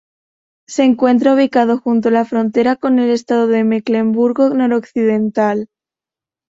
Se encuentra ubicado junto a la frontera con el estado de Mecklemburgo Noroccidental.